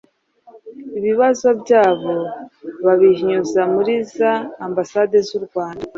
ibibazo byabo babinyuza muri za Ambasade z'u Rwanda